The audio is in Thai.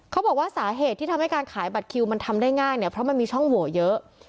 เขาบอกว่าสาเหตุที่ทำให้การขายบัตรคิวมันทำได้ง่ายเนี่ยเพราะมันมีช่องโหวเยอะ